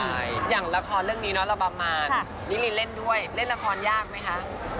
ใช่อย่างละครเรื่องนี้เนาะระบำมานลิลินเล่นด้วยเล่นละครยากไหมคะ